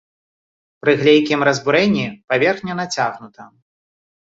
Пры глейкім разбурэнні паверхня нацягнута.